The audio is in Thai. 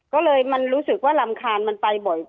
ก็เลยมันรู้สึกว่ารำคาญมันไปบ่อย